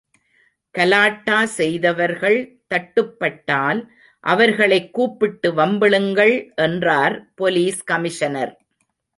கலாட்டா செய்தவர்கள் தட்டுப்பட்டால் அவர்களைக் கூப்பிட்டு வம்பிழுங்கள் என்றார் போலீஸ் கமிஷனர்.